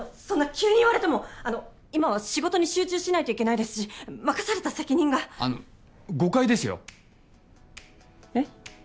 そんな急に言われてもあの今は仕事に集中しないといけないですし任された責任があの誤解ですよえっ？